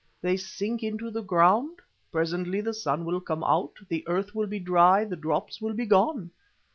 They sink into the ground; presently the sun will come out, the earth will be dry, the drops will be gone.